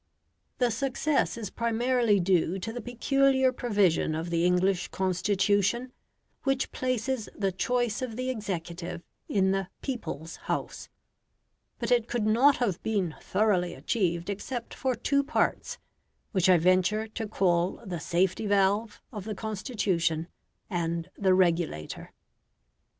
The success is primarily due to the peculiar provision of the English Constitution, which places the choice of the executive in the "people's House"; but it could not have been thoroughly achieved except for two parts, which I venture to call the "safety valve" of the Constitution, and the "regulator".